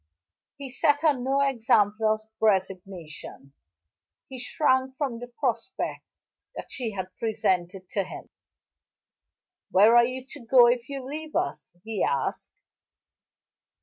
He set her no example of resignation; he shrank from the prospect that she presented to him. "Where are you to go if you leave us?" he asked.